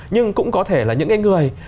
nhưng cũng có thể là những người